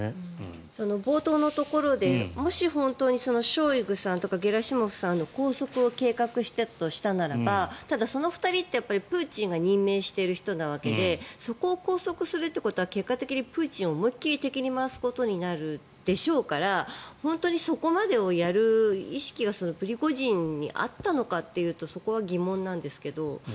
冒頭のところでもし本当にショイグさんとかゲラシモフさんの拘束を計画していたとするならばただ、その２人ってプーチンが任命している人なわけでそこを拘束するってことは結果的にプーチンを思いっ切り敵に回すことになるでしょうから本当にそこまでをやる意識がプリゴジンにあったのかというとそこは疑問なんですけど。